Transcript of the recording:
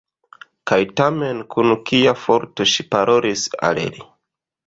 Kaj tamen kun kia forto ŝi parolis al li!